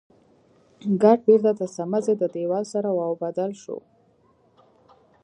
ګټ بېرته د سمڅې د دېوال سره واوبدل شو.